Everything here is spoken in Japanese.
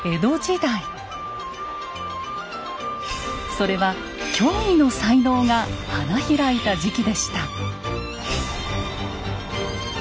それは驚異の才能が花開いた時期でした。